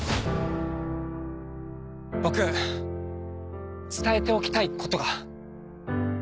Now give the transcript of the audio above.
「僕伝えておきたいことが」